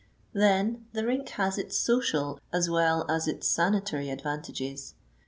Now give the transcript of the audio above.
Then the rink has its social as well as its sanitary advantages.